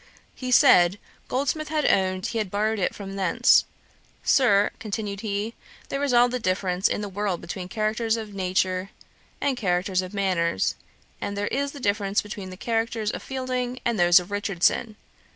He said, Goldsmith had owned he had borrowed it from thence. 'Sir, (continued he,) there is all the difference in the world between characters of nature and characters of manners; and there is the difference between the characters of Fielding and those of Richardson.